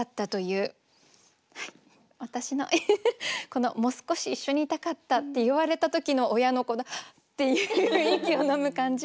この「も少し一緒に居たかった」って言われた時の親のこのハッ！っていう息をのむ感じ。